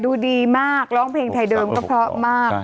ดูดีมากร้องเพลงไทยเดิมก็เพราะมาก